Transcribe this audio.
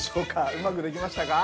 うまくできましたか？